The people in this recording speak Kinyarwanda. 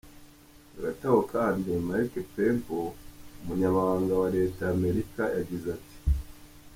Hagati aho kandi, Mike Pompeo, umunyamabanga wa leta y'Amerika, yagize ati:.